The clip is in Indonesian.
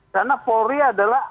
karena polri adalah